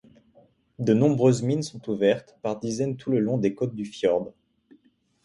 De nombreuses mines sont ouvertes, par dizaines tout le long des côtes du fjord.